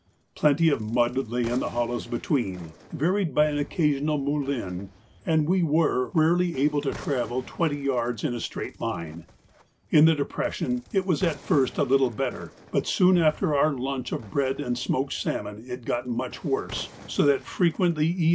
Plenty of mud lay in the hollows between, varied by an occasional 'moulin,' and we were rarely able to travel twenty yards in a straight line. In the depression it was at first a little better, but soon after our lunch of bread and smoked salmon it got much worse, so that frequently E.